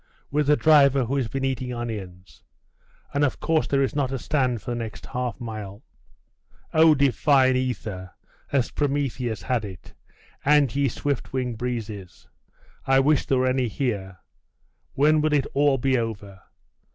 with a driver who has been eating onions.... and of course there is not a stand for the next half mile. Oh, divine aether! as Prometheus has it, and ye swift winged breezes (I wish there were any here), when will it all be over?